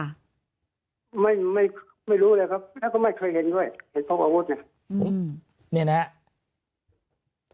ไม่ไม่ไม่รู้เลยครับแล้วก็ไม่เคยเห็นด้วยเห็นพกอาวุธน่ะอืมเนี่ยนะครับ